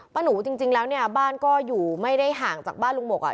หนูจริงแล้วเนี่ยบ้านก็อยู่ไม่ได้ห่างจากบ้านลุงหมกอ่ะ